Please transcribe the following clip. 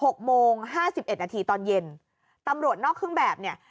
หกโมงห้าสิบเอ็ดนาทีตอนเย็นตำรวจนอกเครื่องแบบเนี่ย